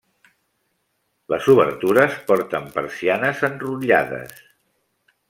Les obertures porten persianes enrotllades.